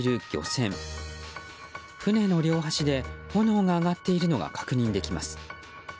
船の両端で炎が上がっているのが確認できます。